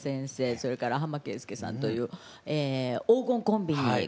それから浜圭介さんという黄金コンビに書いて頂き。